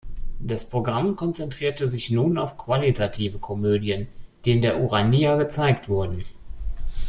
Das Programm konzentrierte sich nun auf qualitative Komödien, die in der Urania gezeigt wurden.